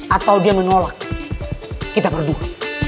atau dia menolak kita berdua